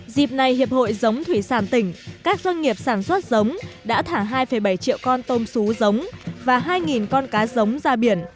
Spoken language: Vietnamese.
dịp này hiệp hội giống thủy sản tỉnh các doanh nghiệp sản xuất giống đã thả hai bảy triệu con tôm xú giống và hai con cá giống ra biển